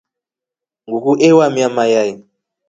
Nguku ewamia mayai.